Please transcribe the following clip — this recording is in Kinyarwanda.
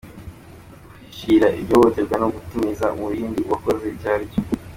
Guhishira iryo hohotera ni ugutiza umurindi uwakoze icyo cyaha.